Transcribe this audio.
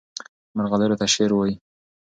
مرغلرو ته شعر وایي.